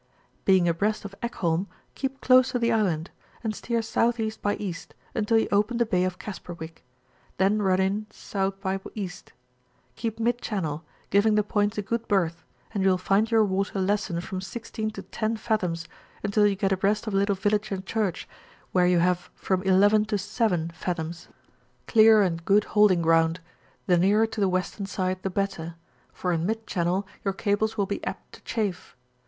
Being abreast of Ekholm, keep close to the island, and steer S.E. by £, until you open the bay of Kasperwick; then run in S.byE.; keep mid channel, ghring the points a good berth, and you will find your water lessen from 16 to 10 fathoms, until you get abreast of a little village and church, where you have from 11 to 7 fathoms, clear and good holding ground; the nearer to the western side the better, for in mid channel your cables wUl be apt to chafe.